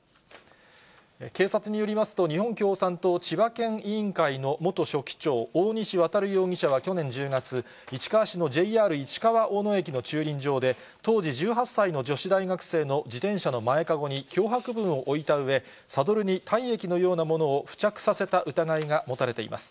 警察によりますと、日本共産党千葉県委員会の元書記長、大西航容疑者は去年１０月、市川市のＪＲ市川大野駅の駐輪場で、当時１８歳の女子大学生の自転車の前籠に脅迫文を置いたうえ、サドルに体液のようなものを付着させた疑いが持たれています。